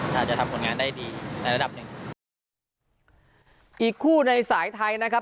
ถ้าจะทำผลงานได้ดีในระดับหนึ่งอีกคู่ในสายไทยนะครับ